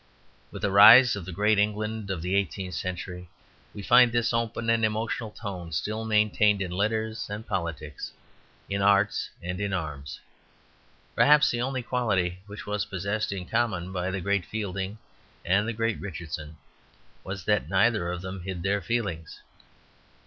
With the rise of the great England of the eighteenth century, we find this open and emotional tone still maintained in letters and politics, in arts and in arms. Perhaps the only quality which was possessed in common by the great Fielding, and the great Richardson was that neither of them hid their feelings.